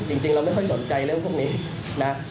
จริงเราไม่ค่อยสนใจเรื่องพวกนี้นะ